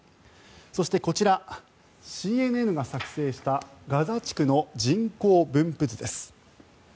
そして、ＣＮＮが作成したガザ地区の人口分布図です。